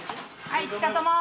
はい。